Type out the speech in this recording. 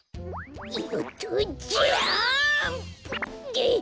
よっとジャンプ！